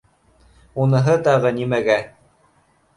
— Уныһы тағы нимәгә?